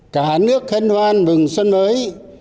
cả nước hân hoan mừng xuân mới